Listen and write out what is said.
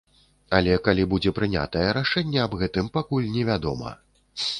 Але калі будзе прынятае рашэнне аб гэтым, пакуль не вядома.